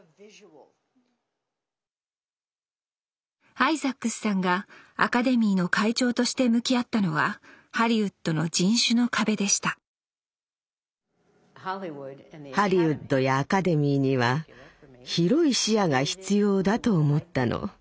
アイザックスさんがアカデミーの会長として向き合ったのはハリウッドの人種の壁でしたハリウッドやアカデミーには広い視野が必要だと思ったの。